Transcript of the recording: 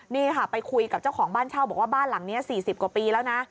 นี่ค่ะไปคุยกับเจ้าของบ้านเช่าบอกว่าบ้านหลังนี้๔๐กว่าปีแล้วนะ